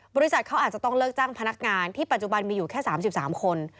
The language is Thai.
บริษัทเขาอาจจะต้องเลิกจ้างพนักงานที่ปัจจุบันมีอยู่แค่๓๓คน